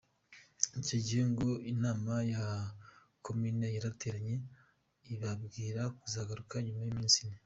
Icyo gihe ngo inama ya komine yarateranye, ibabwira kuzagaruka nyuma y’iminsi ine.